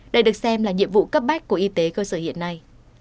đây được xem là nhiệm vụ cấp bách của y tế cơ sở hiện nay